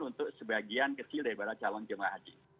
untuk sebagian kecil daripada calon jemaah haji